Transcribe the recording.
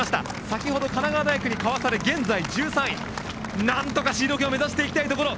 先ほど神奈川大学にかわされ現在、１３位なんとかシード権を目指していきたいところ。